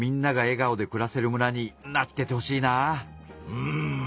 うん。